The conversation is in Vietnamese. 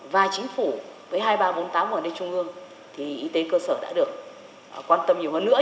và chính phủ với hai nghìn ba trăm bốn mươi tám ở đây trung ương thì y tế cơ sở đã được quan tâm nhiều hơn nữa